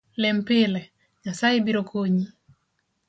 Lem pile ,Nyasae biro konyi